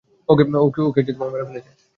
ওকে মেরে ফেলেছে!